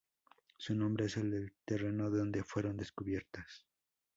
Su nombre es el del terreno donde fueron descubiertas.